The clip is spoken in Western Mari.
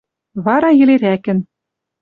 Вара йӹлерӓкӹн